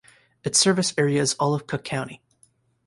Its service area is all of Cook County.